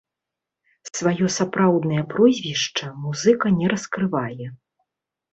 Сваё сапраўднае прозвішча музыка не раскрывае.